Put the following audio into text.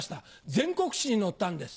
全国紙に載ったんです。